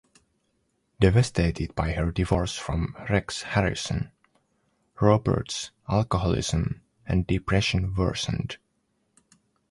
Devastated by her divorce from Rex Harrison, Roberts' alcoholism and depression worsened.